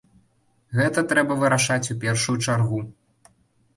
Гэта трэба вырашаць у першую чаргу.